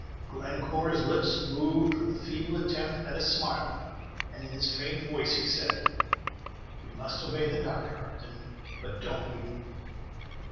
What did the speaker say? Glencore's lips moved with a feeble attempt at a smile, and in his faint voice he said, "We must obey the doctor, Upton; but don't leave me."